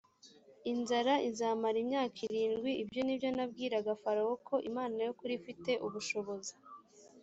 inzara izamara imyaka irindwi ibyo ni byo nabwiraga farawo ko imana y’ukuri ifite ubushobozi